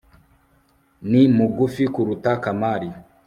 ni mugufi kuruta kamari